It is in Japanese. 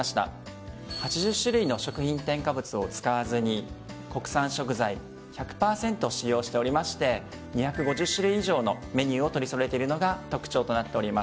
８０種類の食品添加物を使わずに国産食材１００％使用しておりまして２５０種類以上のメニューを取り揃えているのが特徴となっております。